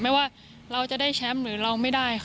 ไม่ว่าเราจะได้แชมป์หรือเราไม่ได้